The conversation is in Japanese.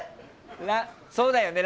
そうだよね。